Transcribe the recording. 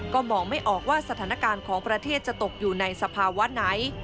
ก็มองไม่ออกว่าสถานการณ์ของประเทศจะตกอยู่ในสภาวะไหน